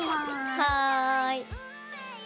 はい。